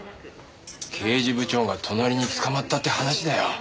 刑事部長が隣に捕まったって話だよ。